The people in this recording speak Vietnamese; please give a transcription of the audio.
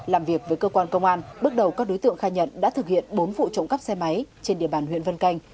làm việc với cơ quan công an bước đầu các đối tượng khai nhận đã thực hiện bốn vụ trộm cắp xe máy trên địa bàn huyện vân canh